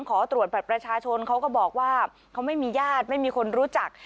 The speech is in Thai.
ขอตรวจบัตรประชาชนเขาก็บอกว่าเขาไม่มีญาติไม่มีคนรู้จัก